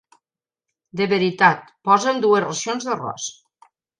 De veritat, posa'm dues racions d'arròs.